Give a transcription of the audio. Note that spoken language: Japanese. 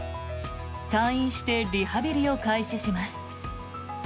退院してリハビリを開始します。